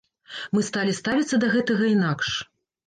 Мы сталі ставіцца да гэтага інакш.